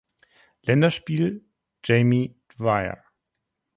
Länderspiel Jamie Dwyer.